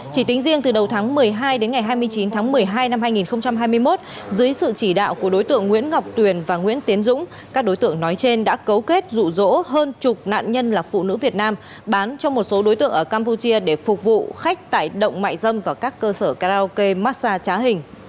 chỉ tính riêng từ đầu tháng một mươi hai đến ngày hai mươi chín tháng một mươi hai năm hai nghìn hai mươi một dưới sự chỉ đạo của đối tượng nguyễn ngọc tuyền và nguyễn tiến dũng các đối tượng nói trên đã cấu kết rụ rỗ hơn chục nạn nhân là phụ nữ việt nam bán cho một số đối tượng ở campuchia để phục vụ khách tại động mại dâm và các cơ sở karaoke massage trá hình